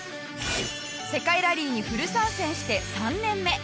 世界ラリーにフル参戦して３年目。